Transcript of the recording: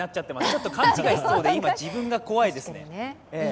ちょっと勘違いしそうで今、自分が怖いです。